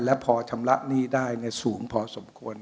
และพอชำระหนี้ได้สูงพอสมควร